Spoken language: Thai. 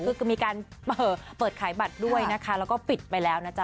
คือมีการเปิดขายบัตรด้วยนะคะแล้วก็ปิดไปแล้วนะจ๊